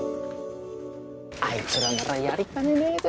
あいつらならやりかねねえぜ。